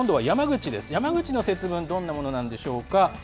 山口の節分、どんなものなんでしょうか。